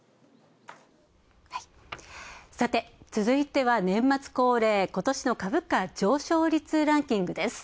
さて、続いては年末恒例、今年の株価上昇率ランキングです。